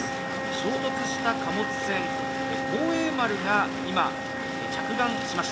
衝突した貨物船、幸栄丸が今、着岸しました。